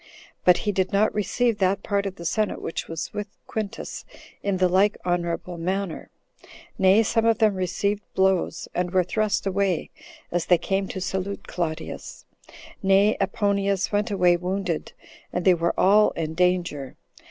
But he did not receive that part of the senate which was with Quintus in the like honorable manner; nay, some of them received blows, and were thrust away as they came to salute Claudius; nay, Aponius went away wounded, and they were all in danger.